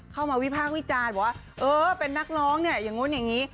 วิพากษ์วิจารณ์ว่าเออเป็นนักร้องเนี่ยอย่างนู้นอย่างนี้